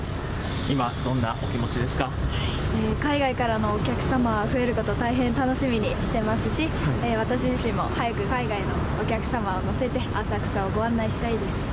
今海外からのお客様、増えること大変楽しみにしてますし、私自身も早く海外のお客様を乗せて浅草をご案内したいです。